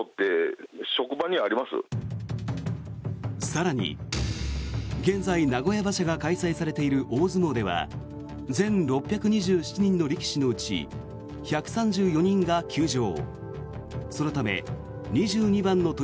更に現在、名古屋場所が開催されている大相撲では全６２７人の力士のうち１３４人が休場。